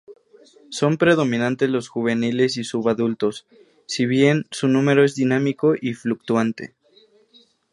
Son predominantes los juveniles y subadultos, si bien su número es dinámico y fluctuante.